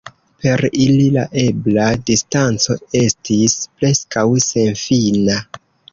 Per ili la ebla distanco estis preskaŭ senfina.